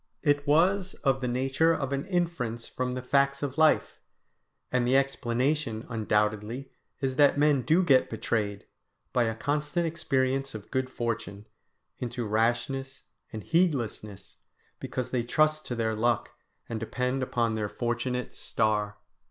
It was of the nature of an inference from the facts of life; and the explanation undoubtedly is that men do get betrayed, by a constant experience of good fortune, into rashness and heedlessness, because they trust to their luck and depend upon their fortunate star.